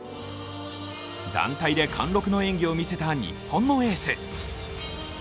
団体で貫禄の演技を見せた日本のエース。